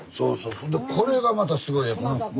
そんでこれがまたすごいよこの松。